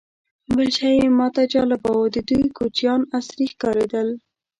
بل شی چې ماته جالبه و، د دوی کوچیان عصري ښکارېدل.